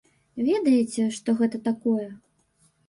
Ведаеце, што гэта такое?